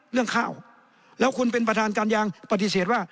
เรื่องข้าวแล้วคุณเป็นประธานการยางปฏิเสธว่า